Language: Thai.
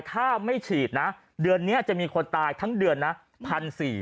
ถ้าไม่ฉีดนะเดือนนี้จะมีคนตายทั้งเดือนนะ๑๔๐๐บาท